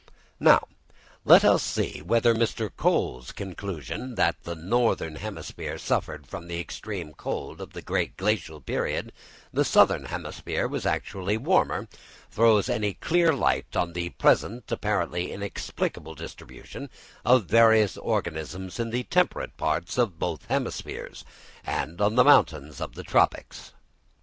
Now let us see whether Mr. Croll's conclusion that when the northern hemisphere suffered from the extreme cold of the great Glacial period, the southern hemisphere was actually warmer, throws any clear light on the present apparently inexplicable distribution of various organisms in the temperate parts of both hemispheres, and on the mountains of the tropics.